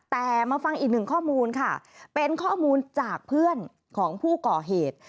แต่มาฟังอีกหนึ่งข้อมูลค่ะเป็นข้อมูลจากเพื่อนของผู้ก่อเหตุ